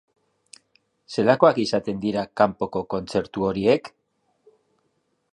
Zelakoak izaten dira kanpoko kontzertu horiek?